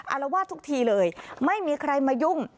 อารวาสทุกทีเลยไม่มีใครมายุ่ง